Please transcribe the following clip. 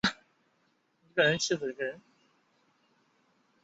本剧获得电视影评家广泛的好评。